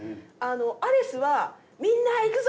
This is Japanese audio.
アレスはみんな行くぞ！